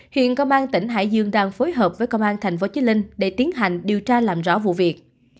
hiện công an tỉnh hải dương đang phối hợp với công an tp chí linh để tiến hành điều tra làm rõ vụ việc